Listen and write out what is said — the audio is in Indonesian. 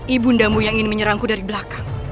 ibu ndamu yang ingin menyerangku dari belakang